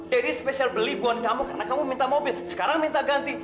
deddy spesial beli buat kamu karena kamu minta mobil sekarang minta ganti